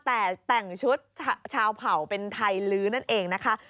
แต่แต่งชุดชาวเผ่าเป็นไทยลื้อนั่นเองนะคะ